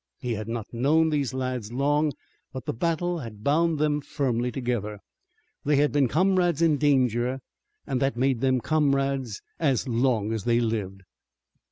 He had not known these lads long, but the battle had bound them firmly together. They had been comrades in danger and that made them comrades as long as they lived.